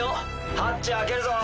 ハッチ開けるぞ。